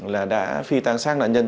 là đã phi tăng sát nạn nhân